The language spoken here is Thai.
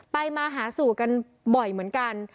มาหาสู่กันบ่อยเหมือนกัน